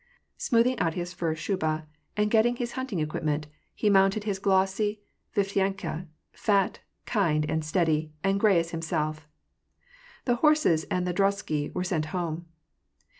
Smoothing out his fur shuba, and getting his hunting equipment, he mounted his glossy Viflyanka, fat, kind, and steady, and as gray as himself. The horses and the drozhsky were sent home.